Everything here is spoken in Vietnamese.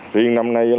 riêng năm nay